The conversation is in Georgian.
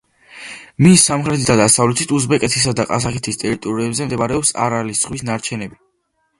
მის სამხრეთით და დასავლეთით, უზბეკეთისა და ყაზახეთის ტერიტორიებზე მდებარეობს არალის ზღვის ნარჩენები.